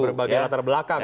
ada berbagai latar belakang ya